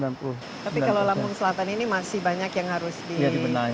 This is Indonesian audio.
tapi kalau lampung selatan ini masih banyak yang harus di